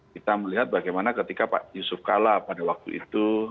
kita melihat bagaimana ketika pak yusuf kala pada waktu itu